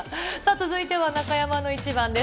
さあ続いては中山のイチバンです。